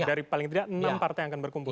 dari paling tidak enam partai yang akan berkumpul